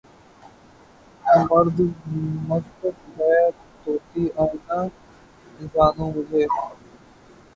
مردمک ہے طوطئِ آئینۂ زانو مجھے